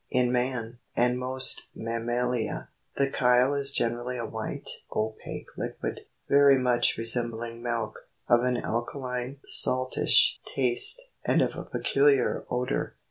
In man, and most mam malia, the chyle is generally a white, opaque liquid, very much resembling milk, of an alkaline, saltish taste, and of a peculiar odour.